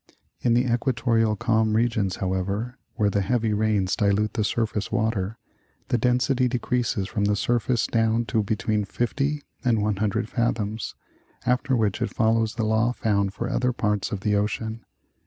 In the equatorial calm regions, however, where the heavy rains dilute the surface water, the density de creases from the surface down to between 50 and 100 fathoms, after which it follows the law found for other parts of the ocean.